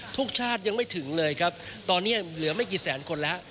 ทุกชาติยังไม่ถึงเลยครับตอนนี้เหลือไม่กี่แสนคนแล้ว